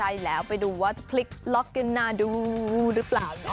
ใช่แล้วไปดูว่าพลิกล็อกกันน่าดูหรือเปล่าเนาะ